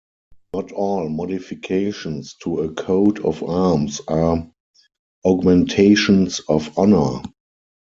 Not all modifications to a coat of arms are augmentations of honour.